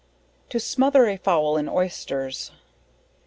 _To smother a Fowl in Oysters.